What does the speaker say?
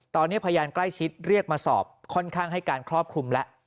ตอนนี้พยานใกล้ชิดเรียกมาสอบค่อนข้างให้การครอบคลุมแล้ว